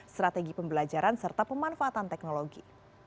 strategi pembelajaran serta pemanfaatan teknologi